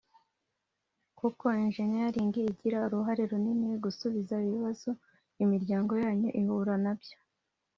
kuko ‘engineering’ igira uruhare runini mu gusubiza ibibazo imiryango yanyu ihura na byo